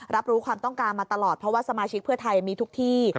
รับรู้ความต้องการมาตลอดเพราะว่าสมาชิกเพื่อไทยมีทุกที่